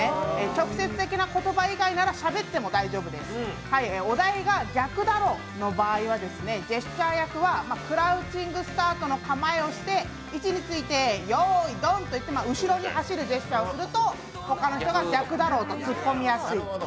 直接的な言葉以外ならしゃべっても大丈夫ですお題が「逆だろ！」の場合はジェスチャー役はクラウチングスタートの構えをして、位置についてよーいドンで後ろに走るジェスチャーをすると、他の人が「逆だろ！」とツッコみやすい。